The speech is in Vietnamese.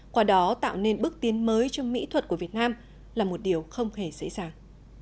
qua đó tạo nên bước tiến mới cho mỹ thuật của việt nam là một điều không hề dễ dàng